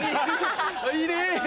いいね。